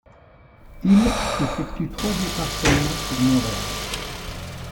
Hill effectue trois départs seulement pour Montréal.